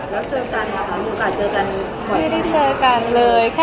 แล้วเจอกันล่ะค่ะ